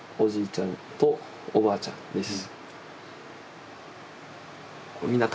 ちゃんとおばあちゃんです。